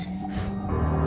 s unierman lu kierut